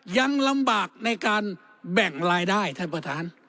ยังลำบากในการแบ่งรายได้ท่านประธาน